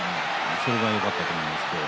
それがよかったと思います今日。